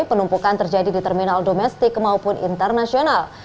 penumpukan terjadi di terminal domestik maupun internasional